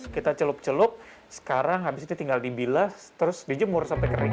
kita celup celup sekarang habis itu tinggal dibilas terus dijemur sampai kering